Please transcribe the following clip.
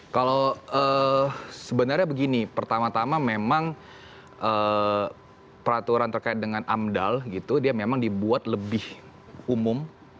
kalau sebenarnya begini pertama tama memang peraturan terkait dengan amdal gitu dia memang dibuat lebih umum